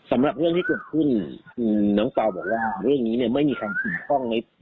สำหรับเรื่องที่เกิดขึ้นน้องปาวบอกว่าเรื่องนี้ไม่มีใครผิดต้อง